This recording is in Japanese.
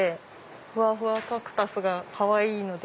フワフワカクタスがかわいいので。